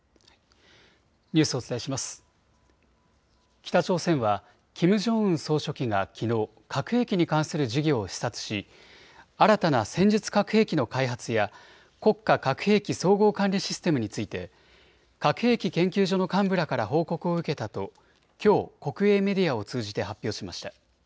北朝鮮はキム・ジョンウン総書記がきのう核兵器に関する事業を視察し新たな戦術核兵器の開発や国家核兵器総合管理システムについて核兵器研究所の幹部らから報告を受けたときょう国営メディアを通じて発表しました。